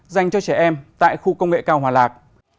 dành cho trẻ em tại khu công nghệ cao hòa lạc